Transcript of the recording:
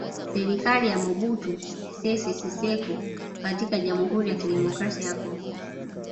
Serikali ya Mobutu Sese Seko katika Jamhuri ya Kidemokrasia ya Kongo